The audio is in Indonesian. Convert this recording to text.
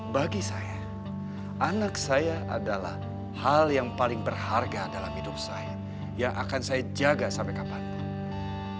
bagi saya anak saya adalah hal yang paling berharga dalam hidup saya yang akan saya jaga sampai kapanpun